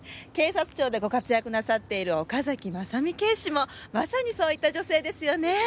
警察庁でご活躍なさっている岡崎真実警視もまさにそういった女性ですよね。